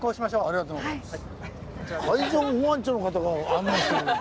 ありがとうございます。